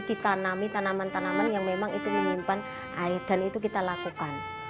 ditanami tanaman tanaman yang memang itu menyimpan air dan itu kita lakukan